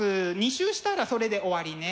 ２周したらそれで終わりね。